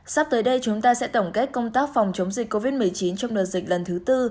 sắp tới đây chúng ta sẽ tổng kết công tác phòng chống dịch covid một mươi chín trong đợt dịch lần thứ tư